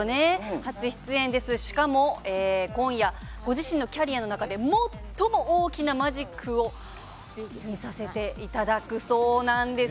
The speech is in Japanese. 初出演です、しかも今夜ご自身のキャリアの中で最も大きなマジックを見させていただくそうなんです。